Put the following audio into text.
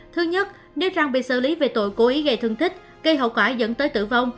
thứ nhất nếu rằng bị xử lý về tội cố ý gây thương tích gây hậu quả dẫn tới tử vong